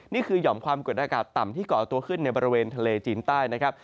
หย่อมความกดอากาศต่ำที่ก่อตัวขึ้นในบริเวณทะเลจีนใต้นะครับ